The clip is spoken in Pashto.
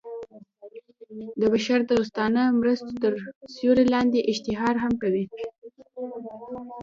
د بشر دوستانه مرستو تر سیورې لاندې اشتهار هم کوي.